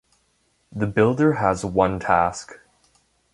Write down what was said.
The builder has one task.